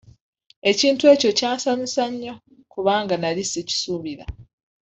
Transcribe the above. Ekintu ekyo kyansanyusa nnyo kubanga nali sikisuubira.